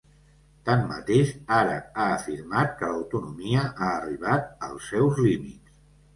Tanmateix, ara ha afirmat que ‘l’autonomia ha arribat als seus límits’.